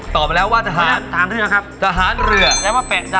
ตอบมาแล้วว่าทหารเรือ